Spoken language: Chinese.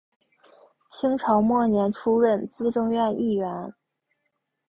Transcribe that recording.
清朝末年出任资政院议员。